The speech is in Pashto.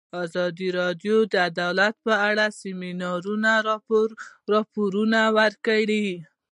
ازادي راډیو د عدالت په اړه د سیمینارونو راپورونه ورکړي.